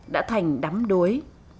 đã thành đắm đuối